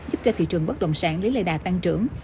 giúp cho thị trường bất động sản lấy lệ đà tăng trưởng